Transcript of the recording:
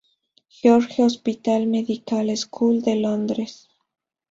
George's Hospital Medical School de Londres.